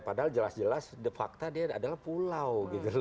padahal jelas jelas de facto dia adalah pulau